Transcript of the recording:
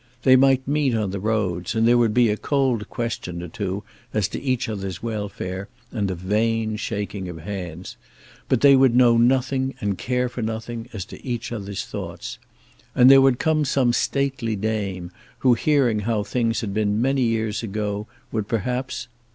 They might meet on the roads, and there would be a cold question or two as to each other's welfare, and a vain shaking of hands, but they would know nothing and care for nothing as to each other's thoughts. And there would come some stately dame who hearing how things had been many years ago, would perhaps